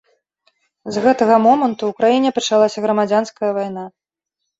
З гэтага моманту ў краіне пачалася грамадзянская вайна.